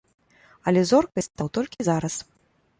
Але зоркай стаў толькі зараз.